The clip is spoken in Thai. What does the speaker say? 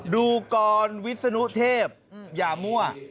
ดูกรวิศนุเทพอย่ามั่ว